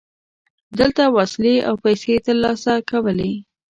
دلته وسلې او پیسې ترلاسه کولې.